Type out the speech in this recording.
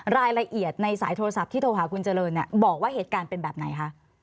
รายละเอียดในสายโทรศัพท์ที่โทรหาคุณเจริญบอกว่าเหตุการณ์เป็นแบบไหนคะ